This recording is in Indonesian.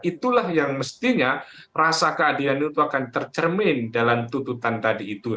itulah yang mestinya rasa keadilan itu akan tercermin dalam tuntutan tadi itu